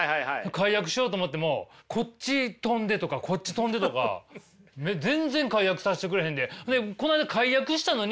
解約しようと思ってもこっち飛んでとかこっち飛んでとか全然解約させてくれへんで。